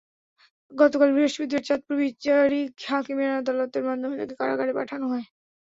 গতকাল বৃহস্পতিবার চাঁদপুর বিচারিক হাকিমের আদালতের মাধ্যমে তাঁকে কারাগারে পাঠানো হয়।